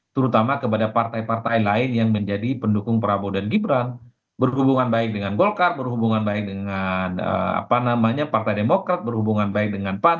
terutama kepada partai partai lain yang menjadi pendukung prabowo dan gibran berhubungan baik dengan golkar berhubungan baik dengan partai demokrat berhubungan baik dengan pan